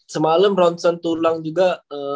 semalam ronson tulang juga aman